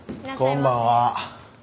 こんばんは。